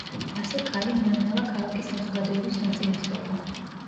ასე ქალი ნელ-ნელა ქალაქის საზოგადოების ნაწილი ხდება.